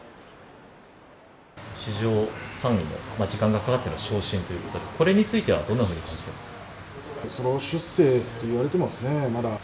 史上３位の時間がかかっての昇進ということでこれについてはどんなふうに感じていますか？